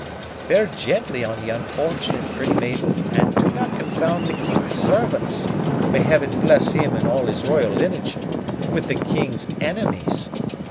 "Bear gently on the unfortunate, pretty Mabel, and do not confound the king's servants may Heaven bless him and all his royal lineage! with the king's enemies.